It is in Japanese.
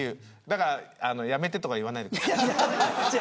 だから、やめてとか言わないで。